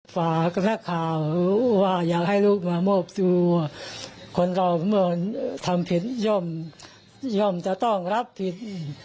ฝากนักข่าวว่าอยากให้ลูกมามอบตัวคนเราทำผิดย่อมย่อมจะต้องรับผิด